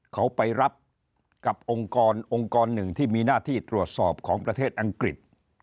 เขาไปรับกับองค์กร๑ที่มีหน้าที่ตรวจสอบของประเทศอังกฤษ